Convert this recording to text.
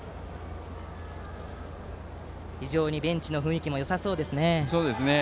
非常にベンチの雰囲気もよさそうですね。